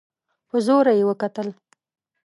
په زوره يې وکتل.